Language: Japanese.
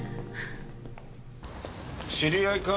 知り合いか？